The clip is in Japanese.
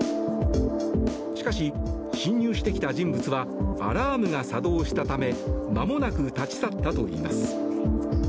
しかし、侵入してきた人物はアラームが作動したためまもなく立ち去ったといいます。